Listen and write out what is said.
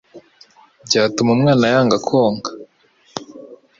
byatuma umwana yanga konka.